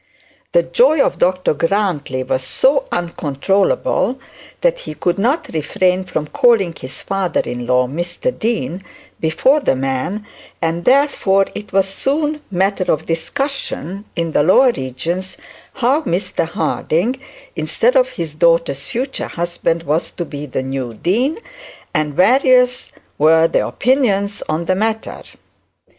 The joy of Dr Grantly was so uncontrollable that he could not refrain from calling his father in law Mr Dean before the men; and therefore, it was soon matter for discussion in the lower regions how Mr Harding, instead of his daughter's future husband, was to be the new dean, and various were the opinions on the matter.